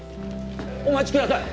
お待ちください！